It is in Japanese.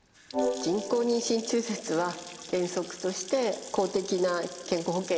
人工妊娠中絶は原則として公的な健康保険は適用されません。